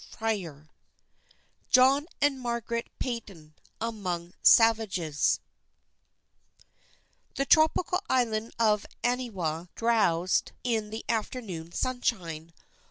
XXIX JOHN AND MARGARET PATON AMONG SAVAGES THE tropical island of Aniwa drowsed in the afternoon sunshine.